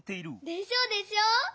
でしょでしょ！